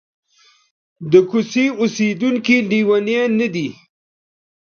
د کوڅې اوسېدونکي لېونیان نه دي.